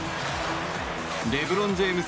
レブロン・ジェームズ